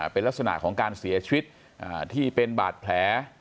เป็นลักษณะของการเสียชีวิตที่เป็นบาดแผล